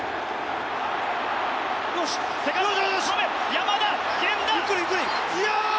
山田、源田！